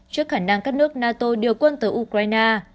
trước khả năng các nước nato điều quân tới ukraine